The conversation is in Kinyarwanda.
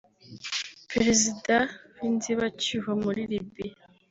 perezida w’inzibacyuho muri Libiya